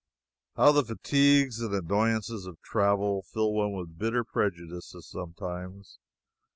How the fatigues and annoyances of travel fill one with bitter prejudices sometimes!